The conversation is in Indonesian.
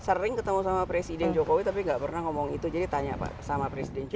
sering ketemu sama presiden jokowi tapi nggak pernah ngomong itu jadi tanya pak sama presiden jokowi